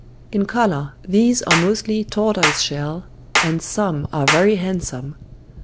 In colour these are mostly tortoiseshell, and some are very handsome.